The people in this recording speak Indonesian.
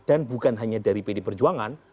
dan bukan hanya dari pdi perjuangan